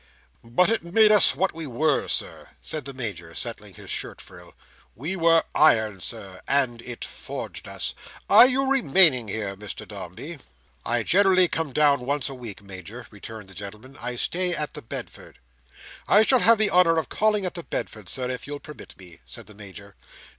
"But it made us what we were, Sir," said the Major, settling his shirt frill. "We were iron, Sir, and it forged us. Are you remaining here, Mr Dombey?" "I generally come down once a week, Major," returned that gentleman. "I stay at the Bedford." "I shall have the honour of calling at the Bedford, Sir, if you'll permit me," said the Major.